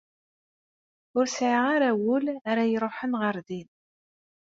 Ur sɛiɣ ara ul ara iruḥen ɣer din.